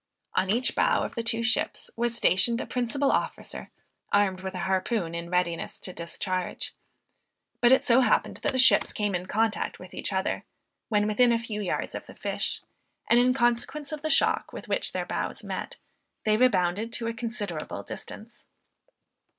On each bow of the two ships, was stationed a principal officer, armed with a harpoon in readiness to discharge. But it so happened that the ships came in contact with each other, when within a few yards of the fish, and in consequence of the shock with which their bows met, they rebounded to a considerable distance.